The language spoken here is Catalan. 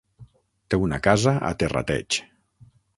Té una casa a Terrateig.